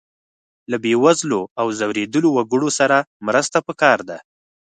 له بې وزلو او ځورېدلو وګړو سره مرسته پکار ده.